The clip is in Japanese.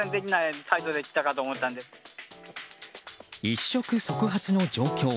一触即発の状況。